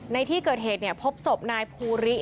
ในที่เกิดเหตุพบศพนายภูริ